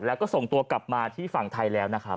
แล้วก็ส่งตัวกลับมาที่ฝั่งไทยแล้วนะครับ